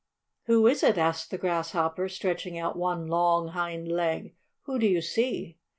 "Who is it?" asked the Grasshopper, stretching out one long hind leg. "Who do you see?"